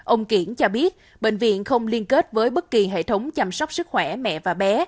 ông kiển cho biết bệnh viện không liên kết với bất kỳ hệ thống chăm sóc sức khỏe mẹ và bé